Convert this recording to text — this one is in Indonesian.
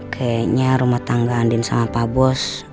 kayaknya rumah tangga andin sama pak bos